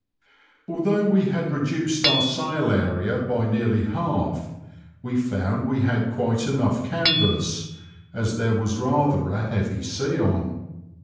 Although we had reduced our sail area by nearly a half, we found we had quite enough canvas, as there was rather a heavy sea on.